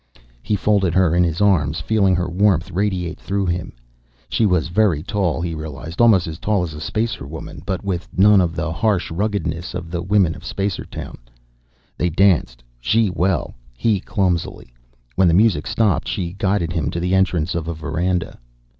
He folded her in his arms, feeling her warmth radiate through him. She was very tall, he realized, almost as tall as a Spacer woman but with none of the harsh ruggedness of the women of Spacertown. They danced, she well, he clumsily. When the music stopped she guided him to the entrance of a veranda.